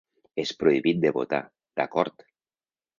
És prohibit de votar, d’acord!